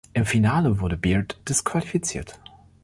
Im Finale wurde Beard disqualifiziert.